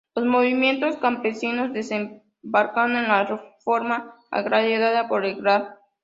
Los movimientos campesinos desembocaron en la Reforma Agraria dada por el Gral.